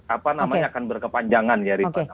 apa namanya akan berkepanjangan ya rifana